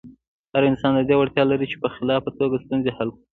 هر انسان د دې وړتیا لري چې په خلاقه توګه ستونزې حل کړي.